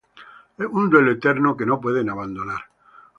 Un duelo eterno que no pueden abandonar.